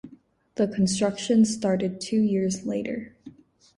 The construction started two years later.